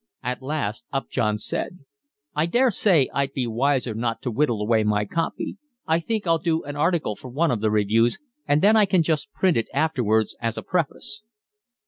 At last Upjohn said: "I daresay I'd be wiser not to whittle away my copy. I think I'll do an article for one of the reviews, and then I can just print it afterwards as a preface."